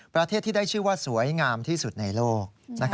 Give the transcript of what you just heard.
ประเทศที่ได้ชื่อว่าสวยงามที่สุดในโลก